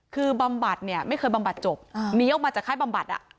คือบำบัดเนี่ยไม่เคยบำบัดจบหนีออกมาจากค่ายบำบัด